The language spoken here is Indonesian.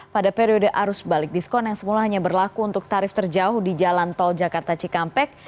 pada periode arus balik diskon yang semula hanya berlaku untuk tarif terjauh di jalan tol jakarta cikampek